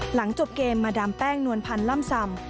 หลังจบเกมมาดามแป้งนวลพันธ์ล่ำซำ